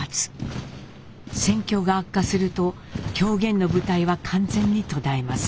戦況が悪化すると狂言の舞台は完全に途絶えます。